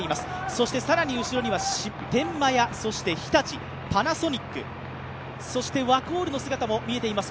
そして更に後ろには天満屋、日立、パナソニック、そしてワコールの姿も見えています。